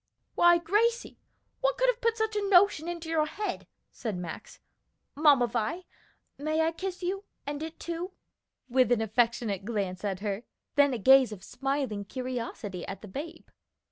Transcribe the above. "Why, Gracie, what could have put such a notion into your head?'" said Max. "Mamma Vi, may I kiss you and it, too?" with an affectionate glance at her, then a gaze of smiling curiosity at the babe.